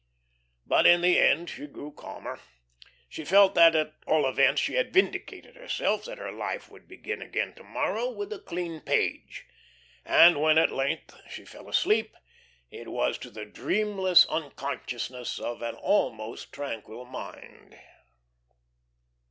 But in the end she grew calmer. She felt that, at all events, she had vindicated herself, that her life would begin again to morrow with a clean page; and when at length she fell asleep, it was to the dreamless unconsciousness of an almost tranquil mind.